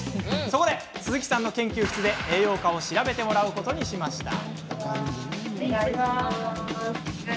そこで、鈴木さんの研究室で栄養価を調べてもらうことにしました。